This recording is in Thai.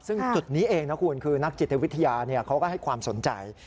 ซึ่งจุดนี้เองนะคุณคือนักจิตวิทยาเขาก็ให้ความสนใจ